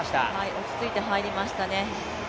落ち着いて入りましたね。